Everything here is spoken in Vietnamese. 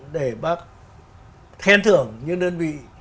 để bác khen thưởng những đơn vị